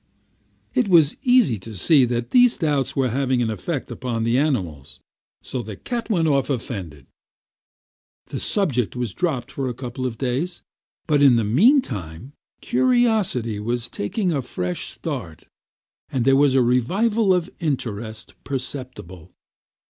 It was easy to see that these doubts were having an effect upon the animals, so the cat went off offended. The subject was dropped for a couple of days, but in the meantime curiosity was taking a fresh start, and there was a revival of interest perceptible.